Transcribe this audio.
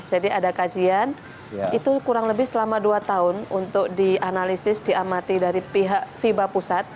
jadi ada kajian itu kurang lebih selama dua tahun untuk dianalisis diamati dari pihak fiba pusat